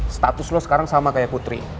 status lo sekarang sama kayak putri